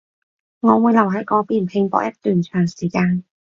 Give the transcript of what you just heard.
我會留喺嗰邊拼搏一段長時間